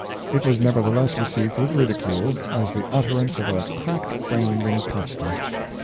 It was nevertheless received with ridicule, as the utterance of a cracked brained impostor.